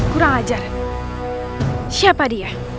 pak hajar siapa dia